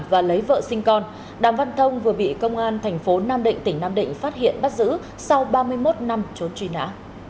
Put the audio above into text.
và lấy vợ sinh con đàm văn thông vừa bị công an thành phố nam định tỉnh nam định phát hiện bắt giữ sau ba mươi một năm trốn truy nã